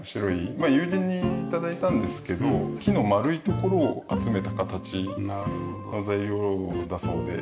まあ友人に頂いたんですけど木のまるいところを集めた形の材料だそうで。